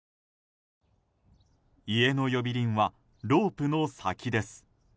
家の呼び鈴はロープの先です。